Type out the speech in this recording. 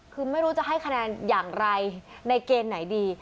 คือไม่รู้จะให้คะแนนอย่างไรในเกณฑ์ไหนดี